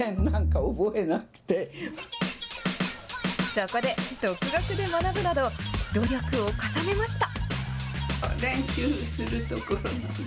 そこで、独学で学ぶなど、努力を重ねました。